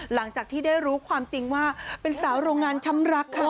หลังจากที่ได้รู้ความจริงว่าเป็นสาวโรงงานช้ำรักค่ะ